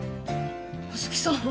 葉月さん